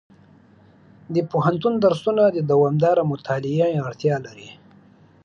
د پوهنتون درسونه د دوامداره مطالعې اړتیا لري.